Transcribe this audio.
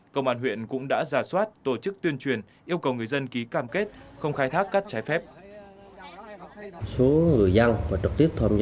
công an huyện cũng đã giả soát tổ chức tuyên truyền yêu cầu người dân ký cam kết không khai thác cát trái phép